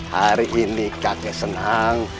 hari ini kakek senang